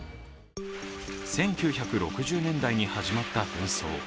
１９６０年代に始まった紛争。